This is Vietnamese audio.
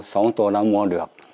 sống tôi đã mua được